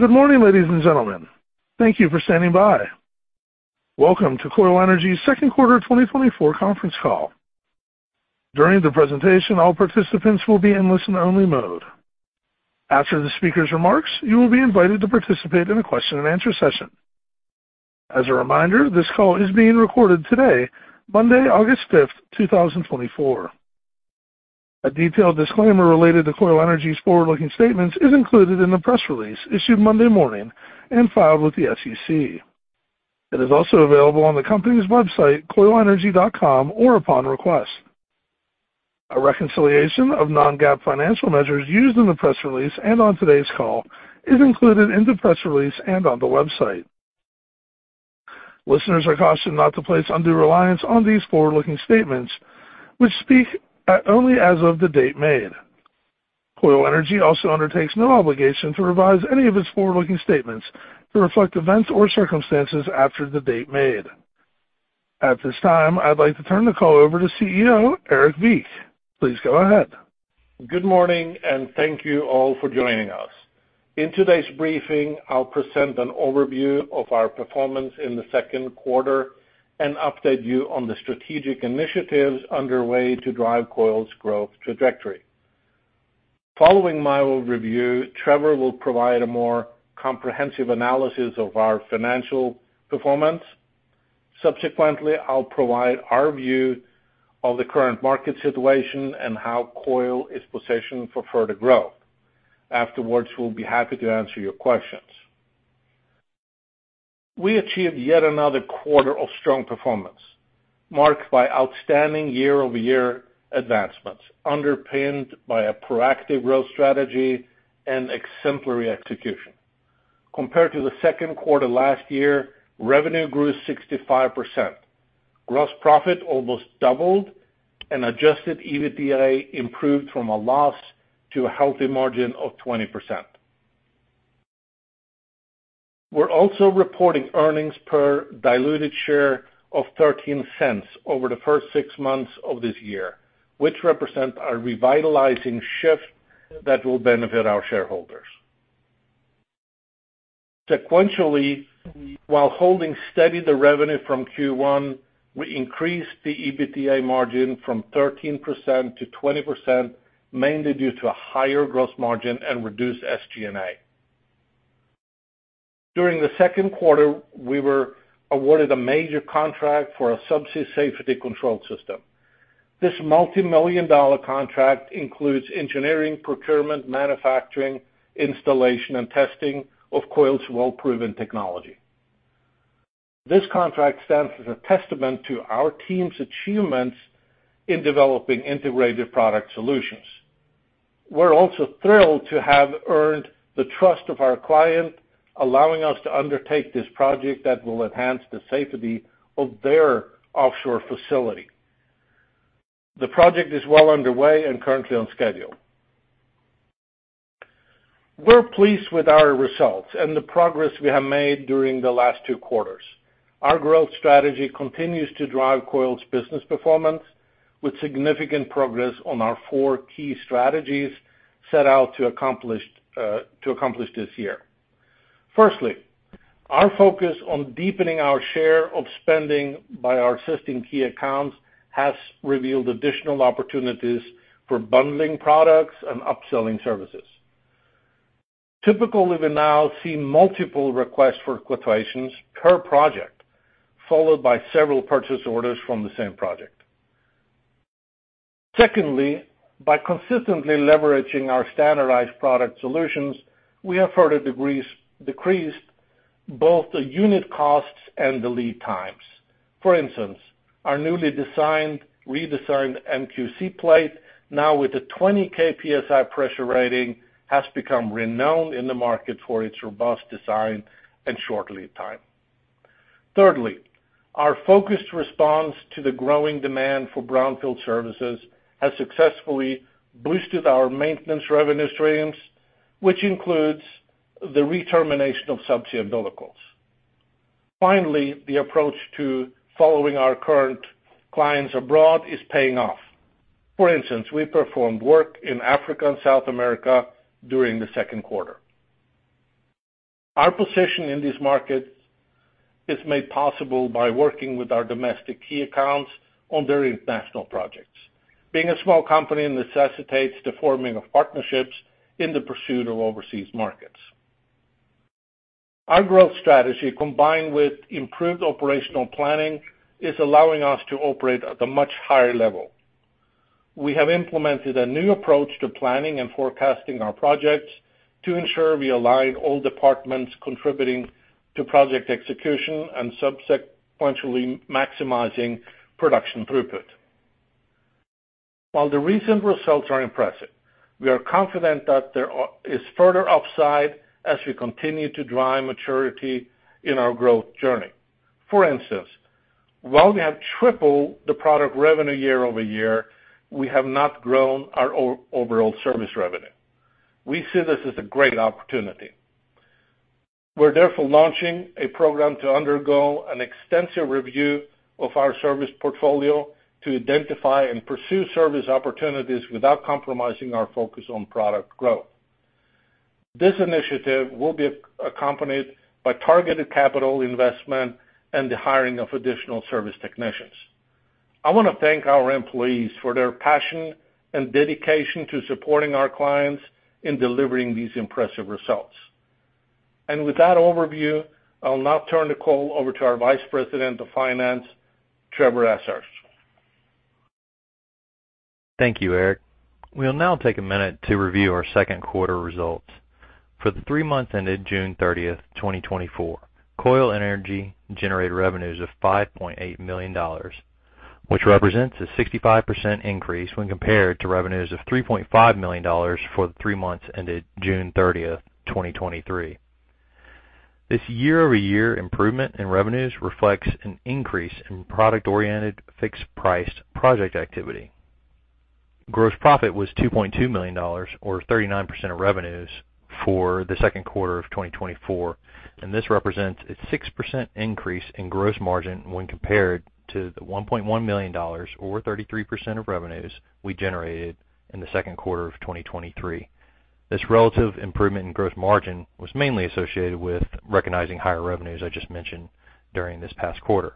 Good morning, ladies and gentlemen. Thank you for standing by. Welcome to Koil Energy's Second Quarter 2024 conference call. During the presentation, all participants will be in listen-only mode. After the speakers' remarks, you will be invited to participate in a question and answer session. As a reminder, this call is being recorded today, Monday, August 5th, 2024. A detailed disclaimer related to Koil Energy's forward-looking statements is included in the press release issued Monday morning and filed with the SEC. It is also available on the company's website, koilenergy.com, or upon request. A reconciliation of non-GAAP financial measures used in the press release and on today's call is included in the press release and on the website. Listeners are cautioned not to place undue reliance on these forward-looking statements, which speak only as of the date made. Koil Energy also undertakes no obligation to revise any of its forward-looking statements to reflect events or circumstances after the date made. At this time, I'd like to turn the call over to CEO Erik Wiik. Please go ahead. Good morning, and thank you all for joining us. In today's briefing, I'll present an overview of our performance in the second quarter and update you on the strategic initiatives underway to drive Koil's growth trajectory. Following my overview, Trevor will provide a more comprehensive analysis of our financial performance. Subsequently, I'll provide our view of the current market situation and how Koil is positioned for further growth. Afterwards, we'll be happy to answer your questions. We achieved yet another quarter of strong performance, marked by outstanding year-over-year advancements, underpinned by a proactive growth strategy and exemplary execution. Compared to the second quarter last year, revenue grew 65%. Gross profit almost doubled and adjusted EBITDA improved from a loss to a healthy margin of 20%. We're also reporting earnings per diluted share of $0.13 over the first six months of this year, which represent a revitalizing shift that will benefit our shareholders. Sequentially, while holding steady the revenue from Q1, we increased the EBITDA margin from 13% to 20%, mainly due to a higher gross margin and reduced SG&A. During the second quarter, we were awarded a major contract for a subsea safety control system. This multimillion-dollar contract includes engineering, procurement, manufacturing, installation, and testing of Koil's well-proven technology. This contract stands as a testament to our team's achievements in developing integrated product solutions. We're also thrilled to have earned the trust of our client allowing us to undertake this project that will enhance the safety of their offshore facility. The project is well underway and currently on schedule. We're pleased with our results and the progress we have made during the last two quarters. Our growth strategy continues to drive Koil's business performance with significant progress on our four key strategies set out to accomplish this year. Firstly, our focus on deepening our share of spending by our existing key accounts has revealed additional opportunities for bundling products and upselling services. Typical, we now see multiple requests for quotations per project followed by several purchase orders from the same project. Secondly, by consistently leveraging our standardized product solutions, we have further decreased both the unit costs and the lead times. For instance, our newly redesigned MQC plate, now with a 20 kpsi pressure rating, has become renowned in the market for its robust design and short lead time. Thirdly, our focused response to the growing demand for brownfield services has successfully boosted our maintenance revenue streams, which includes the re-termination of subsea umbilicals. Finally, the approach to following our current clients abroad is paying off. For instance, we performed work in Africa and South America during the second quarter. Our position in this market is made possible by working with our domestic key accounts on their international projects. Being a small company necessitates the forming of partnerships in the pursuit of overseas markets. Our growth strategy, combined with improved operational planning, is allowing us to operate at a much higher level. We have implemented a new approach to planning and forecasting our projects to ensure we align all departments contributing to project execution and sequentially maximizing production throughput. While the recent results are impressive, we are confident that there is further upside as we continue to drive maturity in our growth journey. For instance, while we have tripled the product revenue year-over-year, we have not grown our overall service revenue. We see this as a great opportunity. We're, therefore, launching a program to undergo an extensive review of our service portfolio to identify and pursue service opportunities without compromising our focus on product growth. This initiative will be accompanied by targeted capital investment and the hiring of additional service technicians. I want to thank our employees for their passion and dedication to supporting our clients in delivering these impressive results. With that overview, I'll now turn the call over to our Vice President of Finance, Trevor Ashurst. Thank you, Erik. We'll now take a minute to review our second quarter results. For the three months ended June 30th,2024, Koil Energy Solutions generated revenues of $5.8 million, which represents a 65% increase when compared to revenues of $3.5 million for the three months ended June 30th, 2023. This year-over-year improvement in revenues reflects an increase in product-oriented, fixed-price project activity. Gross profit was $2.2 million or 39% of revenues for the second quarter of 2024, and this represents a 6% increase in gross margin when compared to $1.1 million, or 33% of revenues we generated in the second quarter of 2023. This relative improvement in gross margin was mainly associated with recognizing higher revenues I just mentioned during this past quarter.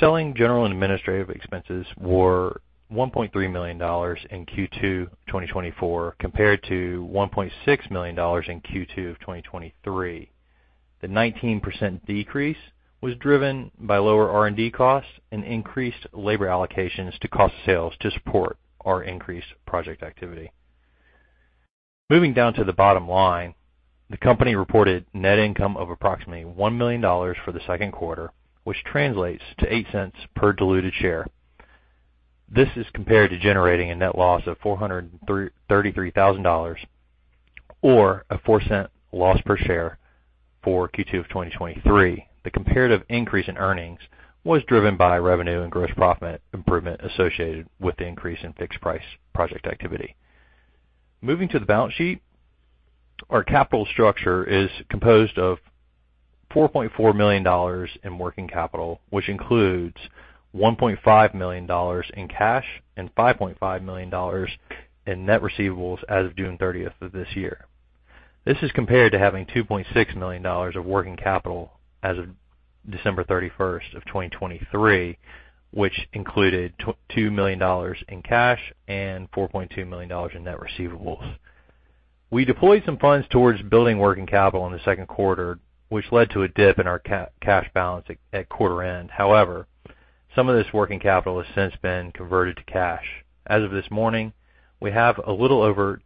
Selling general and administrative expenses were $1.3 million in Q2 of 2024, compared to $1.6 million in Q2 of 2023. The 19% decrease was driven by lower R&D costs and increased labor allocations to cost of sales to support our increased project activity. Moving down to the bottom line, the company reported net income of approximately $1 million for the second quarter, which translates to $0.08 per diluted share. This is compared to generating a net loss of $433,000, or a $0.04 loss per share for Q2 of 2023. The comparative increase in earnings was driven by revenue and gross profit improvement associated with the increase in fixed price project activity. Moving to the balance sheet, our capital structure is composed of $4.4 million in working capital, which includes $1.5 million in cash and $5.5 million in net receivables as of June 30th of this year. This is compared to having $2.6 million of working capital as of December 31st of 2023, which included $2 million in cash and $4.2 million in net receivables. We deployed some funds towards building working capital in the second quarter, which led to a dip in our cash balance at quarter end. However, some of this working capital has since been converted to cash. As of this morning, we have a little over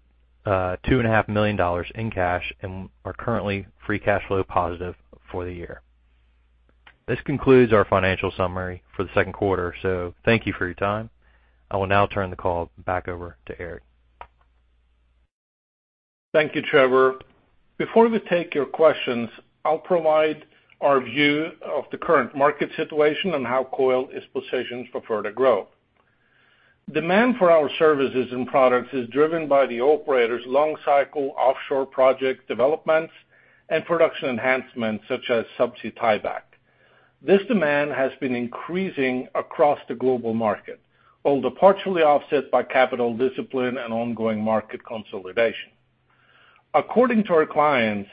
$2.5 million in cash and are currently free cash flow positive for the year. This concludes our financial summary for the second quarter. Thank you for your time. I will now turn the call back over to Erik. Thank you, Trevor. Before we take your questions, I'll provide our view of the current market situation and how Koil is positioned for further growth. Demand for our services and products is driven by the operators' long-cycle offshore project developments and production enhancements such as subsea tieback. This demand has been increasing across the global market, although partially offset by capital discipline and ongoing market consolidation. According to our clients,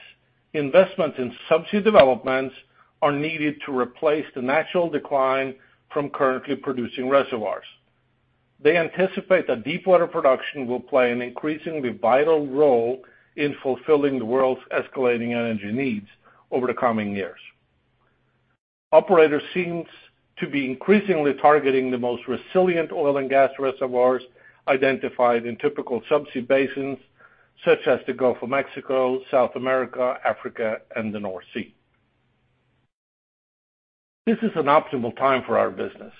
investments in subsea developments are needed to replace the natural decline from currently producing reservoirs. They anticipate that deepwater production will play an increasingly vital role in fulfilling the world's escalating energy needs over the coming years. Operators seem to be increasingly targeting the most resilient oil and gas reservoirs identified in typical subsea basins such as the Gulf of Mexico, South America, Africa, and the North Sea. This is an optimal time for our business.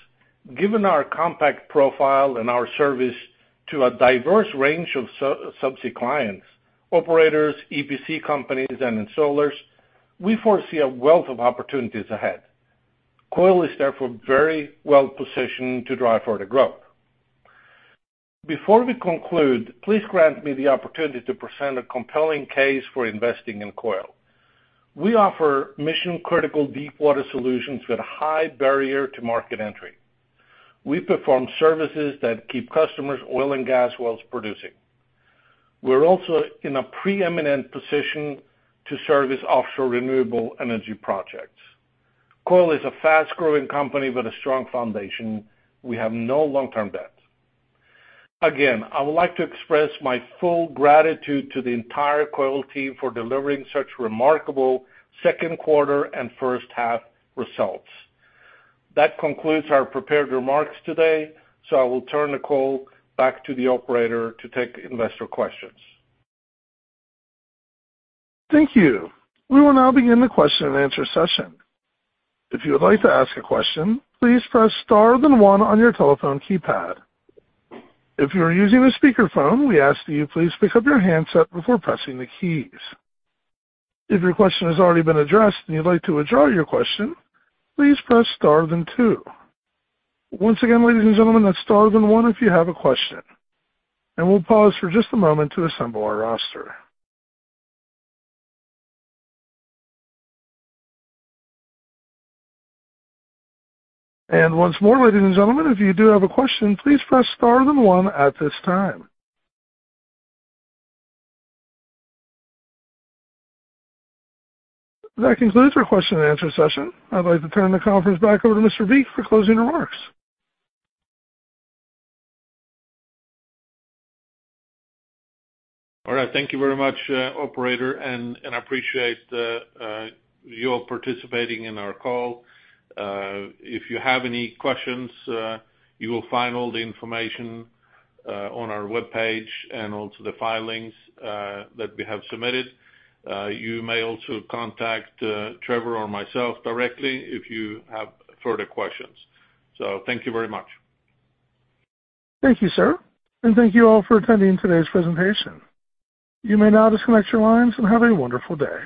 Given our compact profile and our service to a diverse range of subsea clients, operators, EPC companies, and installers, we foresee a wealth of opportunities ahead. Koil is therefore very well positioned to drive further growth. Before we conclude, please grant me the opportunity to present a compelling case for investing in Koil. We offer mission-critical deepwater solutions with a high barrier to market entry. We perform services that keep customers' oil and gas wells producing. We're also in a preeminent position to service offshore renewable energy projects. Koil is a fast-growing company with a strong foundation. We have no long-term debt. Again, I would like to express my full gratitude to the entire Koil team for delivering such remarkable second quarter and first half results. That concludes our prepared remarks today. I will turn the call back to the operator to take investor questions. Thank you. We will now begin the question and answer session. If you would like to ask a question, please press star then one on your telephone keypad. If you are using a speakerphone, we ask that you please pick up your handset before pressing the keys. If your question has already been addressed and you'd like to withdraw your question, please press star then two. Once again, ladies and gentlemen, that's star then one if you have a question. We'll pause for just a moment to assemble our roster. Once more, ladies and gentlemen, if you do have a question, please press star then one at this time. That concludes our question and answer session. I'd like to turn the conference back over to Mr. Wiik for closing remarks. All right. Thank you very much, operator, and I appreciate you all participating in our call. If you have any questions, you will find all the information on our webpage and also the filings that we have submitted. You may also contact Trevor or myself directly if you have further questions. Thank you very much. Thank you, sir, and thank you all for attending today's presentation. You may now disconnect your lines and have a wonderful day.